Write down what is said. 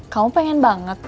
kamu pengen banget